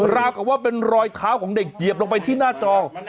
ราวกับว่าเป็นรอยเท้าของเด็กเหยียบลงไปที่หน้าจอ